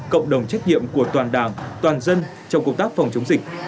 cộng đồng trách nhiệm của toàn đảng toàn dân trong cuộc tác phòng chống dịch